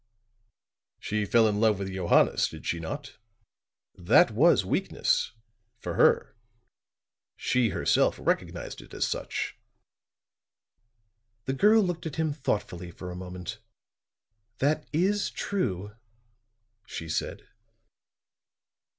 "She fell in love with Johannes, did she not? That was weakness for her. She herself recognized it as such." The girl looked at him thoughtfully for a moment. "That is true," she said.